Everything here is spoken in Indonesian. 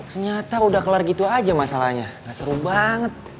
ternyata udah kelar gitu aja masalahnya gak seru banget